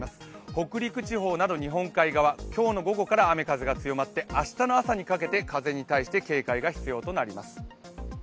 北陸地方など日本海側、今日の午後から雨・風が強まって明日の朝まで警戒が必要になります。